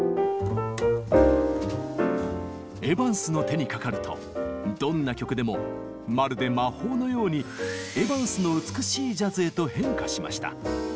エヴァンスの手にかかるとどんな曲でもまるで魔法のように「エヴァンスの美しいジャズ」へと変化しました。